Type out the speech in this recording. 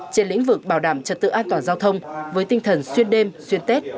trên lĩnh vực bảo đảm trật tự an toàn giao thông với tinh thần xuyên đêm xuyên tết